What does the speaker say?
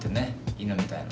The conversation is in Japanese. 犬みたいな。